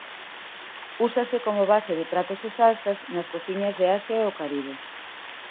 Úsase como base de pratos e salsas nas cociñas de Asia e o Caribe.